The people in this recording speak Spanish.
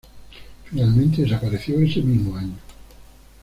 Finalmente, desapareció ese mismo año.